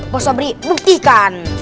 bos sobri buktikan